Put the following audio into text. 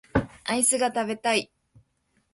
アイスが食べたい